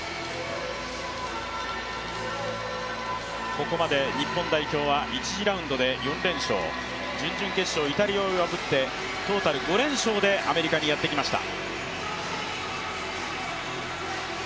ここまで日本代表は１次ラウンドで４連勝、準々決勝、イタリアを破ってトータル５連勝でアメリカにやってきました。